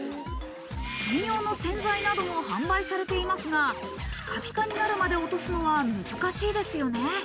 専用の洗剤なども販売されていますが、ピカピカになるまで落とすのは難しいですよね。